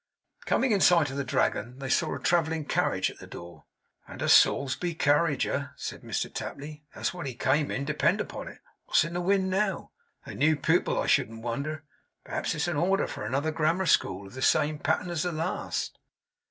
Coming in sight of the Dragon, they saw a travelling carriage at the door. 'And a Salisbury carriage, eh?' said Mr Tapley. 'That's what he came in depend upon it. What's in the wind now? A new pupil, I shouldn't wonder. P'raps it's a order for another grammar school, of the same pattern as the last.